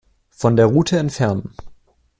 Von der Route entfernen.